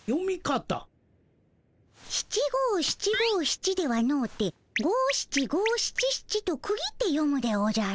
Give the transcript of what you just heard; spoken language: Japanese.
七五七五七ではのうて五七五七七と区切って読むでおじゃる。